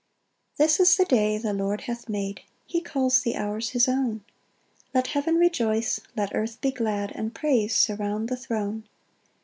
1 This is the day the Lord hath made, He calls the hours his own; Let heaven rejoice, let earth be glad, And praise surround the throne.